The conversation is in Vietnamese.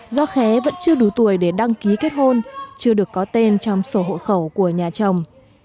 do khé vẫn chưa đủ tuổi để đăng ký kết hôn chưa được có tên trong sổ hộ khẩu của nhà chồng